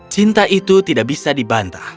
cinta itu tidak bisa dibantah